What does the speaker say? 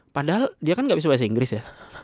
padahal dia kan nggak bisa bahasa inggris ya